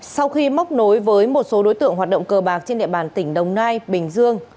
sau khi móc nối với một số đối tượng hoạt động cờ bạc trên địa bàn tỉnh đồng nai bình dương